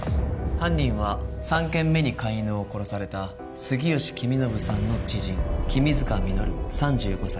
犯人は３件目に飼い犬を殺された杉好公伸さんの知人君塚実３５歳。